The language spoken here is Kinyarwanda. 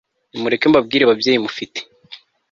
Nimureke mbabwire babyeyi mufite